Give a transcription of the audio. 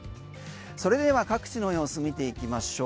それでは各地の様子見ていきましょう。